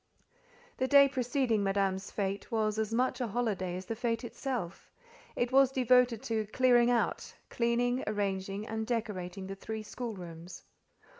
The day preceding Madame's fête was as much a holiday as the fête itself. It was devoted to clearing out, cleaning, arranging and decorating the three schoolrooms.